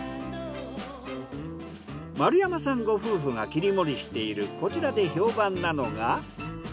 丸山さんご夫婦が切り盛りしているこちらで評判なのが。